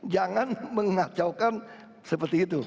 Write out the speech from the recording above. jangan mengacaukan seperti itu